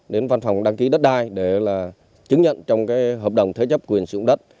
đến văn phòng đăng ký đất đai để chứng nhận trong cái hợp đồng thế chấp quyền sử dụng đất